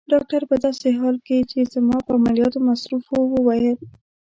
ډاکټر په داسې حال کې چي زما په عملیاتو مصروف وو وویل.